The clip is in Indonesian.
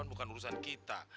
bukan urusan kita